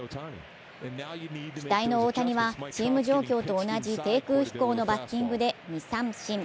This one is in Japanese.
期待の大谷はチーム状況と同じ低空飛行のバッティングで２三振。